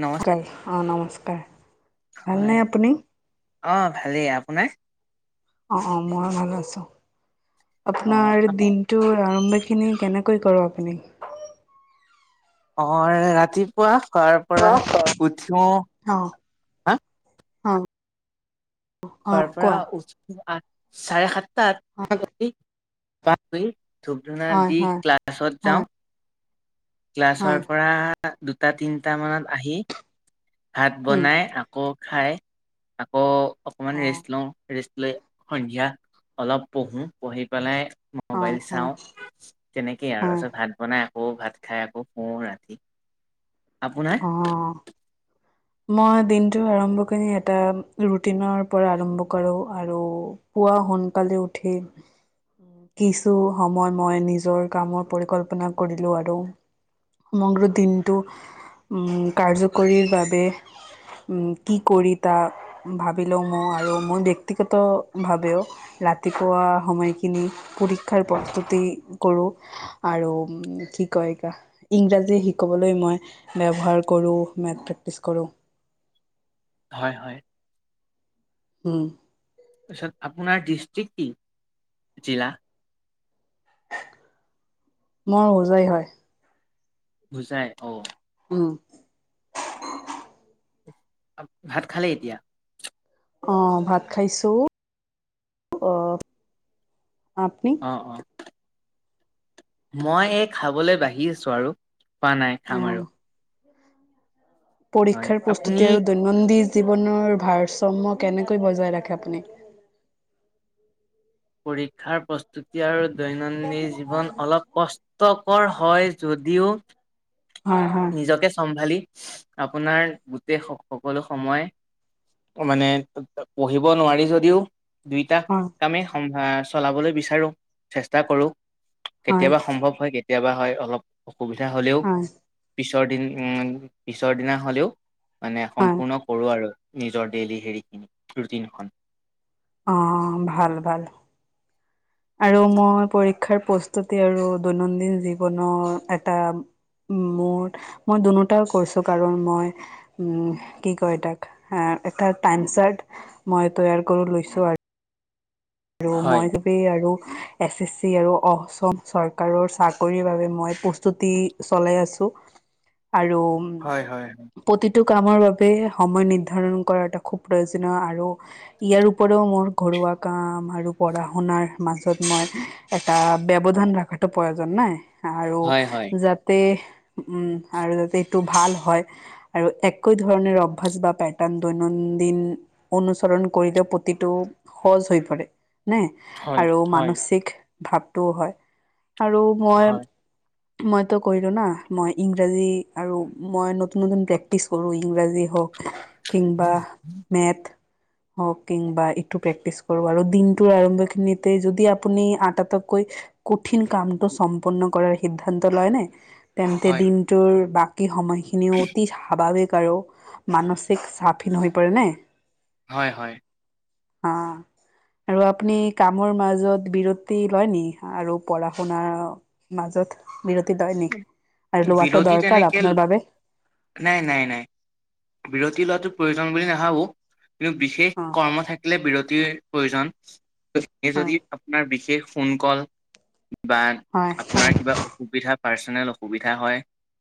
নমস্কাৰ হয়, অ', নমস্কাৰ। ভালনে হয়, আপুনি অ', ভালেই, আপোনাৰ? অ', অ', মইও ভালে আছোঁ, অ' আপোনাৰ আপুনি দিন টোৰ আৰম্ভ খিনি কেনেকৈ কৰ আপুনি? অ', ৰাতিপুৱা শোৱাৰ পৰা উঠিও [unintelligible] অ', হা অ'। অ শুৱাৰ পৰা কোৱা উঠি আঠ, চাৰে সাতটা, আঠটা [unintelligible] ধুপ-ধূনা হয় দি হয় ক্লাছত যাওঁ। হয় হয় ক্লাছৰ পৰা দুটা-তিনটা মানত আহি- ভাত উম বনাই আকৌ খাই আকৌ অ অকণমান ৰেষ্ট লওঁ। ৰেষ্ট লৈ সন্ধিয়া অলপ পঢ়ো, পঢ়ি পেলাই- হয় মবাইল হয় চাওঁ, তেনেকেই আৰু হয় তাৰপিছত ভাত বনাই আকৌ ভাত খাই শুওঁ ৰাতি। আপোনাৰ অঁ'। মই দিনটোৰ আৰম্ভখিনি এটা ৰুটিনৰ পৰা আৰম্ভ কৰোঁ। আৰু- পোৱা সোনকালে উঠি- কিছু সময় মই নিজৰ কামৰ পৰিকল্পনা কৰিলো, আৰু- মংগল দিনটো- কাৰ্যকৰীৰ বাবে কি কৰি তা- ভাবিলেও মই আৰু মোৰ ব্যক্তিগত ভাৱেও- ৰাতিপুৱা সময়খিনি পৰীক্ষাৰ প্ৰস্তুতি কৰোঁ। আৰু কি কয় ইংৰাজী শিকিবলৈ মই- ব্যৱহাৰ কৰোঁ, মেথ প্ৰেক্টিচ কৰোঁ। হয়-হয়। উম। তাৰপিছত আপোনাৰ ডিষ্ট্ৰিক্ট কি জিলা? মোৰ হোজাই হয়। হোজাই অঁ',। উমঁ। ভাত খালি এতিয়া? অঁ' ভাত খাইছো। আপুনি? অঁহ। মই এই খাবলৈ বাঢ়ি আছো আৰু খোৱা নাই খাম অঁ আৰু। হয় পৰীক্ষাৰ আপুনি প্ৰস্তুতি আৰু দৈনন্দিন জীৱনৰ ভাৰসাম্য কেনেকৈ বজাই ৰাখে আপুনি? পৰীক্ষাৰ প্ৰস্তুতি আৰু দৈনন্দিন জীৱন অলপ- কষ্টকৰ হয় যদিও হয় হয় নিজকে চম্ভালি- আপোনাৰ গোটেই সকলো সময়- মানে পঢ়িব নোৱাৰি যদিও- দুইটা হয় কামেই সম্ভা চলাবলৈ বিচাৰো চেষ্টা কৰো। হয় কেতিয়াবা সম্ভৱ হয়, কেতিয়াবা হয়, অলপ অসুবিধা হ'লেও- হয় পিছৰ দিন উম' পিছৰ দিনা হ'লেও মানে হয় সম্পূৰ্ণ- কৰোঁ আৰু নিজৰ দেলহি হেৰি ৰুটিনখন। অঁ', ভাল-ভাল। আৰু মই পৰীক্ষাৰ প্ৰস্তুতি আৰু দৈনন্দিন জীৱনৰ এটা- উম' মোৰ মই দুয়োটাই কৰিছো কাৰণ মই- উমঁ' কি কয় এ তাক এটা টাইম চাৰ্ট মই তৈয়াৰ কৰি লৈছো আৰু। আৰু হয়। মই চবেই আৰু- এছ এছ চি আৰু অসম চৰকাৰৰ চাকৰিৰ বাবে মই প্ৰস্তুতি চলাই আছো। আৰু- হয়-হয়-হয়। প্ৰতিটো কামৰ বাবে সময় নিৰ্ধাৰণ কৰা এটা খুব প্ৰয়োজনীয় আৰু ইয়াৰ উপৰিও মোৰ ঘৰুৱা কাম আৰু পঢ়া শুনাৰ মাজত মই এটা ব্যৱধান ৰখাতো প্ৰয়োজন নাই। আৰু হয় হয়। যাতে উম আৰু যাতে এইটো ভাল হয়। আৰু একৈ ধৰণৰ অভ্যাস বা পেটাৰ্ণ দৈনন্দিন অনুসৰণ কৰিলে প্ৰতিটো সহজ হৈ পৰে। নে হয় আৰু হয় মানসিক ভাৱটোও হয় আৰু মই হয়। মইতো কৰিলো না, মই ইংৰাজী আৰু মই নতুন নতুন প্ৰেক্টিচ কৰোৱেই। ইংৰাজী হওক কিং বা মেথ হক কিং বা এইটো প্ৰেক্টিচ কৰোঁ, আৰু দিনটোৰ আৰম্ভ খিনিতে যদি আপুনি আ তাতোতকৈ কঠিন কামটো সম্পন্ন কৰাৰ সিদ্ধান্ত লয়নে? তেন্তে হয় দিনটোৰ বাকী সময়খিনিও অতি স্বাভাৱিক আৰু। মানসিক চাপহীন হৈ পৰে নে? হয় হয়। অঁ। আৰু আপুনি কামৰ মাজত বিৰতি লয় নি, আৰু পঢ়া শুনা মাজত বিৰতি লয় নি আৰু লোৱাটো বিৰতি দৰকাৰ তেনেকে আপোনাৰ বাবে। নাই নাই নাই, বিৰতি লোৱাটো প্ৰয়োজন বুলি নাভাবো। কিন্তু বিশেষ অ কৰ্ম থা কিলে বিৰতিৰ প্ৰয়োজন। হয় যদি আপোনাৰ বিশেষ ফোন কল বা হয় আপোনাৰ হয় কিবা অসুবিধা পাৰ্চনেল অসুবিধা হয়,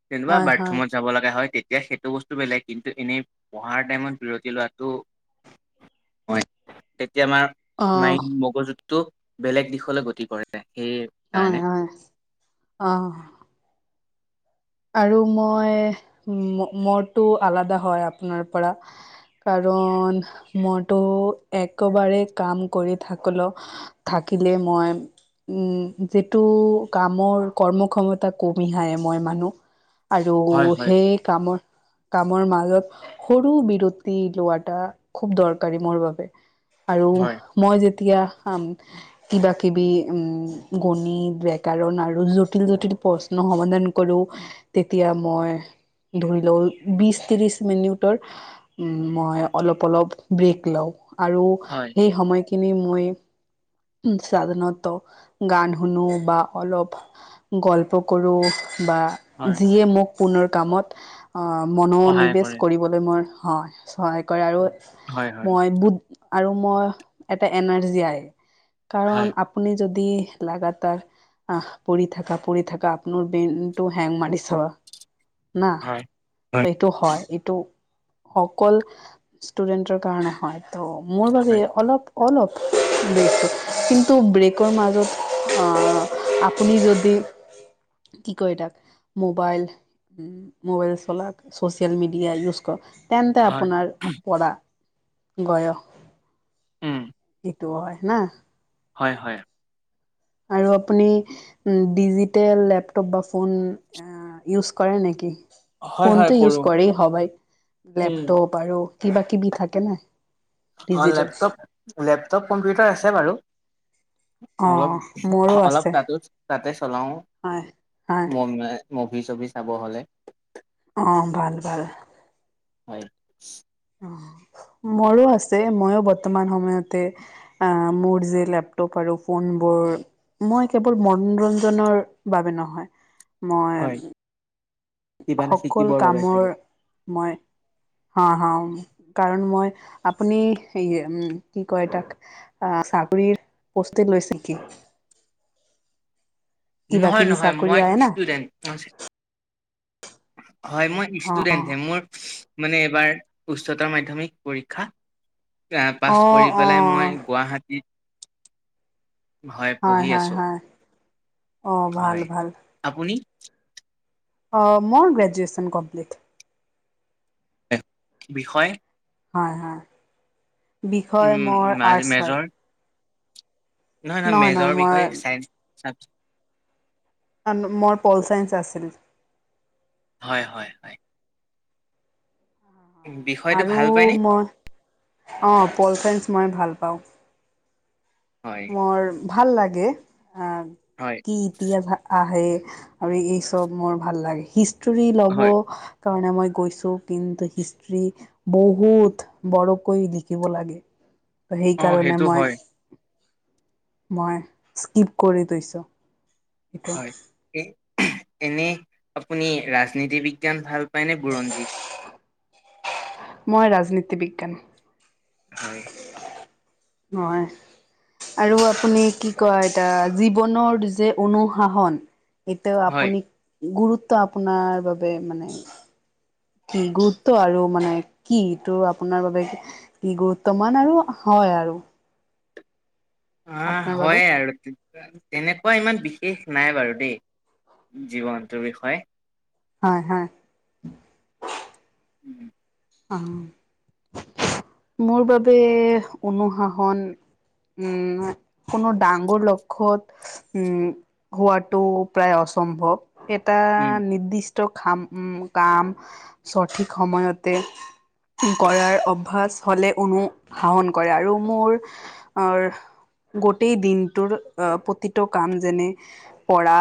যেনিবা হয় হয় বাথৰুমত যাব লগা হয়, তেতিয়া সেইটো বস্তু বেলেগ। কিন্তু এনেই পঢ়াৰ টাইমত বিৰতি লোৱাটো হয় তেতিয়া আমাৰ মাইণ্ড অ মগজুটো বেলেগ দিশলৈ গতি কৰে সেয়ে। হয় হয়, অঁ। আৰু মই মৰটো আলাদা হয় আপোনাৰ পৰা। কাৰণ মইতো একেবাৰে কাম কৰি থাকলো থাকিলে মই উম যিটো কামৰ কৰ্মক্ষমতা কমিহায় মই মানুহ, আৰু হয় হয় সেই কামৰ কামৰ মাজত সৰু বিৰতি লোৱা এটা খুব দৰকাৰী মোৰ বাবে। আৰু হয় মই যেতিয়া কাম কিবা কিবি উ গণিত ব্যাকৰণ আৰু জটিল জটিল প্ৰ সমাধান কৰো। তেতিয়া মই ধৰি লওঁ বিশ ত্ৰিশ মিনিটৰ উম মই অলপ অলপ ব্ৰেক লওঁ আৰু হয় সেই সময় খিনি মই ছাধাৰনত গান শুনো বা অলপ গল্প কৰোঁ বা, হয় যিয়ে মোক পুনৰ কামত অঁ সহায় মনোনিৱেশ কৰে কৰি বলৈ মই সহায় কৰে, আৰু হয় হয় মই বুদ আৰু মোৰ এটা এনাৰ্জি আহে। হয় কাৰণ আপুনি যদি লাগাতাৰ আঁ পৰি থাকা পৰি থাকা আপোনাৰ ব্ৰেনটো হেং মাৰিছ না। হয়। ত এইটো হয়, এইটো অকল ষ্টুডেন্টৰ কাৰণে হয়। ত' মোৰ বাবে হয় অলপ অলপ ব্ৰেকটো কিন্তু ব্ৰেকৰ মাজত অঁ আপুনি যদি কি কয় তাক মোবাইল মোবাইল চলাক চচিয়েল মিডিয়া ইউজ কৰক। তেন্তে হয়, আপোনাৰ পৰা় বয়স উম সেইটো হয় না। হয় হয়। আৰু আপুনি উম ডিজিটেল লেপটপ বা ফোন ইউজ কৰে নেকি, হয় হয় ফোনটো কৰো ইউজ কৰেই হবাই। উম লেপটপ আৰু কিবা কিবি থাকে ন অ ডিজিটেল। লেপটপ লেপটপ কম্পিউটাৰ আছে বাৰু। অলপ, অঁ মোৰো অলপ আছে। তাতো তাতে চলাও হয়। হয়, মন নাই। মভি চভি চাব হ'লে। অ', ভাল ভাল। হয়। মোৰো আছে, ময়ো বৰ্তমান সময়তে আ, মোৰ যে লেপটপ আৰু ফোনবোৰ মই কেৱল মনোৰঞ্জনৰ বাবে নহয়, মই হয় কিবা এটা সকল শিকিবৰ বাবে চাগে। কামৰ মই হা' হা' কাৰণ মই আপুনি সেইয়া উম কি কয় তাক অ' চাকৰিৰ পষ্টে লৈছে সি। কিবা নহয় কিবি নহয় চাকৰি মই আহে না। ষ্টুডেণ্ট। হয় মই অঁ অঁ, ইষ্টুডেন্টহে মোৰ মানে এইবাৰ উচ্চতৰ মাধ্যমিক পৰীক্ষা। পাছ অঁ কৰি পেলাই অঁ, মই গুৱাহাটীত, হয় পঢ়ি হয় আছোঁ। হয়। অ', ভাল ভাল। আপুনি? অ', মইও গ্ৰেজুুৱেচন কমপ্লিট। বিষয়? হয় হয়। বিষয় উম মোৰ মা- আৰ্টছ হয়। মেজৰ নহয় নহয় মেজৰ বিষয় চাইঞ্চ চাবজেক্ট। মোৰ পলচাইঞ্চ আছিল। হয় হয় হয়। বিষয়টো আৰু ভাল পায়নে মই, অ' পলচাইঞ্চ মই ভাল পাওঁ। হয়। মোৰ ভাল লাগে। আ, হয়। ইতিহাস আহে আৰু এই চব মোৰ ভাল লাগে হিষ্ট্ৰী ল'ব হয় সেইকাৰণে মই গৈছোঁ তিনদ হিষ্ট্ৰী বহুত বৰকৈ লিখিব লাগে ত' অ সেইকাৰণে সেইটো মই হয় মই স্কিপ কৰি থৈছোঁ। হয়। এ, এনে আপুনি ৰাজনীতি বিজ্ঞান ভাল পায়নে, বুৰঞ্জী? মই ৰাজনীতি বিজ্ঞান। হয়। নহয়। আৰু আপুনি কি কয়, তা জীৱনৰ যে অনুশাসন। এতিয়াও হয় আপুনি গুৰুত্ব আপোনাৰ বাবে মানে। কি গুৰুত্ব আৰু মানে কি, এইটো আপোনাৰ বাবে? কি গুৰুত্ব মান আৰু হয় আৰু। আহ, আপোনাৰ বাবে হয় এ আৰু। এনেকুৱা ইমান বিশেষ নাই বাৰু দেই জীৱনটোৰ বিষয়ে। হয় হয়। উম। অ'হ। মোৰ বাবে অনুশাসন। উম নহয়, কোনো ডাঙৰ লক্ষ্যত। উম হোৱাটো প্ৰায় অচম্ভৱ। এটা উম, নিৰ্দিষ্ট খাম উম কাম চঠিক সময়ত। তে উম কৰাৰ অভ্যাস হ'লে অনুশাসন কৰে আৰু মোৰ। অৰ গোটেই দিনটোৰ অহ', প্ৰতিটো কাম যেনে। পৰা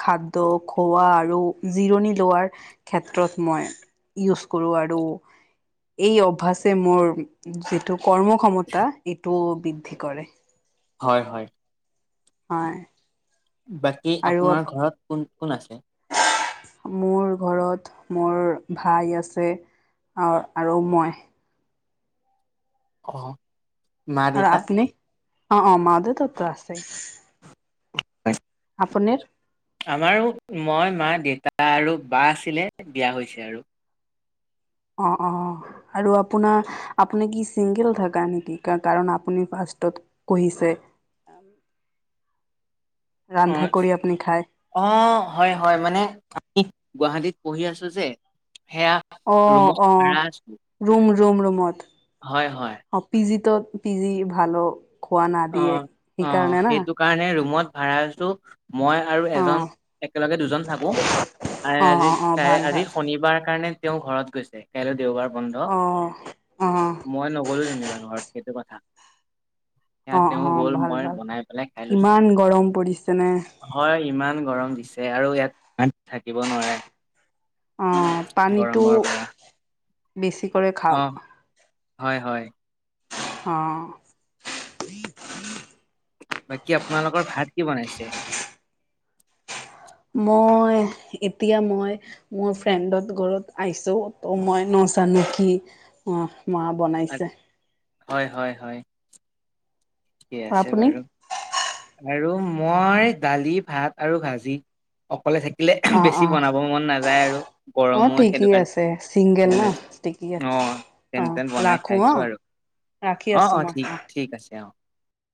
খাদ্য খোৱা আৰু জিৰণি লোৱাৰ। ক্ষেত্ৰত মই ইউজ কৰোঁ আ। ৰু এই অভ্যাসে মোৰ যিটো কৰ্ম ক্ষমতা এইটো বি। ঠিক কৰে। হয় হয়। হয়। বাকী আৰু আপোনাৰ ঘৰত কোন কোন আছে? মোৰ ঘৰত মোৰ ভাই আছে অৰ আৰু মই। অহ'। আৰু আপুনি অহ অহ মা দেউতাৰ তো আছে। হয়। আপুনি? আমাৰো মই মা দেউতা আৰু বা আছিলে বিয়া হৈছে আৰু। অহ', অ'হ,। আৰু আপোনাৰ আপুনি কি ছিংগল থাকা নেকি কাৰণ আপুনি ফাষ্টত। কৈছে। ৰন্ধা কৰি আপুনি খায়। অহ হয় হয় মানে আমি গুৱাহাটীত পঢ়ি আছো যে সেয়া। অহ ৰুমত অহ ভাড়া আছো ', ৰুম ৰুম ৰুমত। হয় হয়। অহ', পিজিতো পিজি ভালো খোৱা না অ দিয়ে অ সেইকাৰণে না। সেইটো কাৰণে ৰুমত ভাড়া আছো মই আৰু অ এজন একেলগে দুজন থাকো। অ', আজি অ', অ', কাই ভাল আজি ভাল শনিবাৰ কাৰণে তেওঁ ঘৰত গৈছে কাইলৈ দেওবাৰ বন্ধ। অ', অ', মই নগ'লো যেনেবা ঘৰত সেইটো কথা। এতিয়া অ', তেওঁ অ', গ'ল ভাল মই ভাল বনাই পেলাই খাই লৈছো। কিমান গৰম পৰিছে নে হয় ইমান গৰম দিছে আৰু ইয়াত ইয়াত থাকিব নোৱাৰে। অ', পানীটো গৰমৰ পৰা। বেছি কৰে অ খাওঁক। হয় হয়। অহ। বাকী আপোনালোকৰ ভাত কি বনাইছে? মই এতিয়া মই। মোৰ ফ্ৰেণ্ডত ঘৰত আহিছোঁ ত মই নজানো কি অ'হ। মাঁ বনাইছে। হয় হয় হয়। ঠিকে আছে আপুনি বাৰু আৰু মই দালি ভাত আৰু ভাজি অকলে থাকিলে অ', বেছি অ', বনাব মন নাযায় আৰু। অ গৰমো সেইটো ঠিকেই কাৰণে আছে চিংগেল ন যেনে ঠিকেই অ আছে অ তেনে তেন বনাই ৰাখো খাইছো অ'। আৰু ৰাখি অ আছোঁ মই ঠিক অ' ঠিক আছে অঁ'।